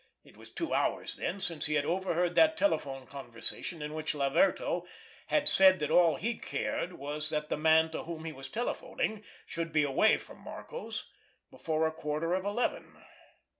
It was two hours, then, since he had overheard that telephone conversation in which Laverto had said that all he cared was that the man to whom he was telephoning should be away from Marco's before a quarter of eleven.